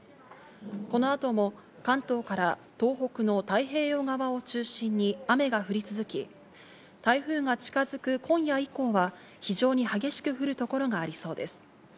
この後も関東から東北の太平洋側を中心に雨が降り続き、台風が近づく今夜以降は非常に激しく降る所がありそうです。